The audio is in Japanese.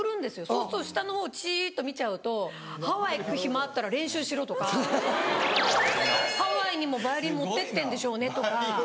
そうすると下のほうちっと見ちゃうと「ハワイ行く暇あったら練習しろ」とか「ハワイにもバイオリン持ってってんでしょうね」とか。